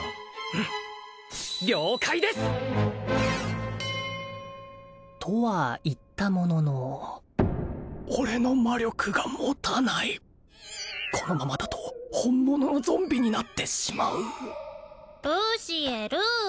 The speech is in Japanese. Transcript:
うん了解です！とは言ったものの俺の魔力が持たないこのままだと本物のゾンビになってしまうルシエルー